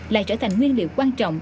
lại trở thành nguyên liệu quan trọng